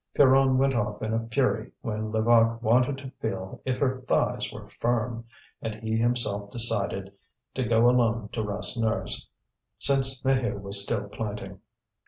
Pierronne went off in a fury when Levaque wanted to feel if her thighs were firm; and he himself decided to go alone to Rasseneur's, since Maheu was still planting.